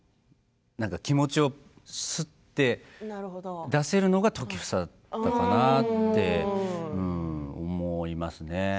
気持ちをすって出せるのが時房だったかな？って思いますね。